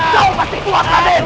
kau pasti kuat raden